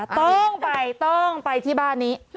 ต้องไปต้องไปที่บ้านนี้